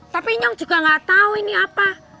tapi inyong juga nggak tau ini apa